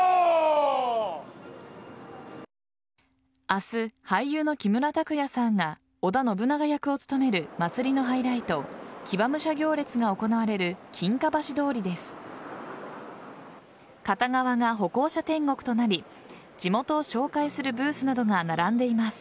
明日、俳優の木村拓哉さんが織田信長役を務める祭りのハイライト騎馬武者行列が行われる金華橋通りです。